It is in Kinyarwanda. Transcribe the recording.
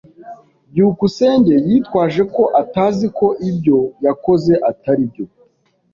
byukusenge yitwaje ko atazi ko ibyo yakoze atari byo.